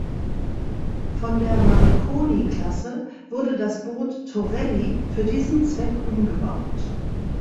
Von der Marconi-Klasse wurde das Boot "Torelli" für diesen Zweck umgebaut.